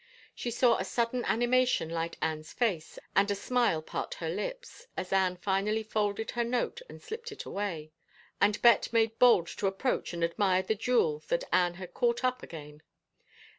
She saw a sudden animation light Anne's face, and a smile part her lips, as Anne finally folded her note and slipped it away, and Bet made bold to approach and admire the jewel that Anne had caught up again.